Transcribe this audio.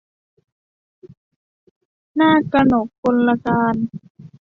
นากกนกกลการ